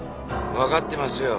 わかってますよ。